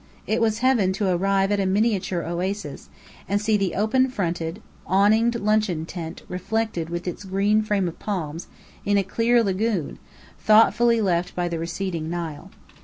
It was heaven to arrive at a miniature oasis, and see the open fronted, awninged luncheon tent reflected with its green frame of palms, in a clear lagoon, thoughtfully left by the receding Nile.